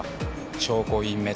証拠隠滅？